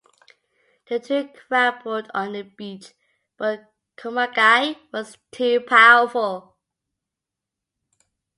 The two grappled on the beach, but Kumagai was too powerful.